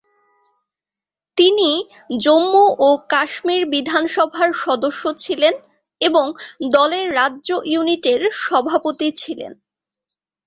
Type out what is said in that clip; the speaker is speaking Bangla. তিনি জম্মু ও কাশ্মীর বিধানসভার সদস্য ছিলেন এবং দলের রাজ্য ইউনিটের সভাপতি ছিলেন।